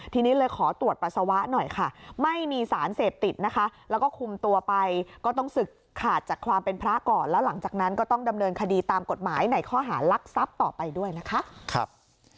ทีนี้เลยขอตรวจปัสสาวะหน่อยค่ะไม่มีสารเสพติดนะคะแล้วก็คุมตัวไปก็ต้องศึกขาดจากความเป็นพระก่อนแล้วหลังจากนั้นก็ต้องดำเนินคดีตามกฎหมายในข้อหารักทรัพย์ต่อไปด้วยนะคะ